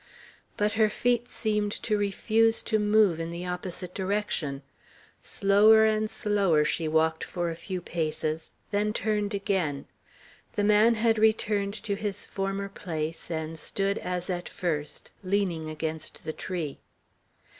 But her feet seemed to refuse to move in the opposite direction. Slower and slower she walked for a few paces, then turned again. The man had returned to his former place, and stood as at first, leaning against the tree.